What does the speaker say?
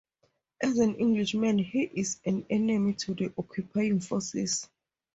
As an Englishman, he is an enemy to the occupying forces.